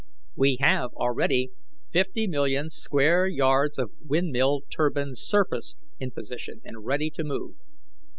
We have already fifty million square yards of windmill turbine surface in position and ready to move.